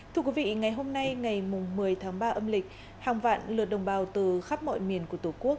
thưa quý vị ngày hôm nay ngày một mươi tháng ba âm lịch hàng vạn lượt đồng bào từ khắp mọi miền của tổ quốc